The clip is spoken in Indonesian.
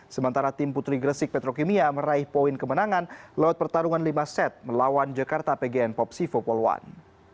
sementara tim putri gresik petrokimia meraih poin kemenangan lewat pertarungan lima set melawan jakarta pgn popsifo poluan